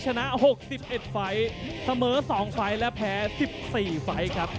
ชนะ๖๑ไฟล์เสมอ๒ไฟล์และแพ้๑๔ไฟล์ครับ